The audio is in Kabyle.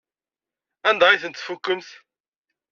Anda ay tent-tfukemt?